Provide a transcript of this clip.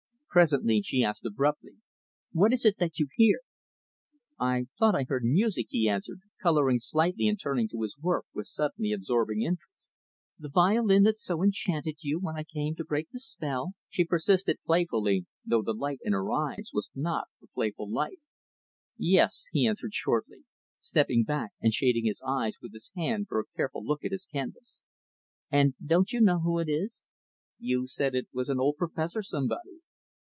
Presently, she asked abruptly, "What is it that you hear?" "I thought I heard music," he answered, coloring slightly and turning to his work with suddenly absorbing interest. "The violin that so enchanted you when I came to break the spell?" she persisted playfully though the light in her eyes was not a playful light. "Yes," he answered shortly; stepping back and shading his eyes with his hand for a careful look at his canvas. "And don't you know who it is?" "You said it was an old professor somebody."